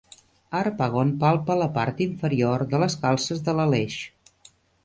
Harpagon palpa la part inferior de les calces de l'Aleix.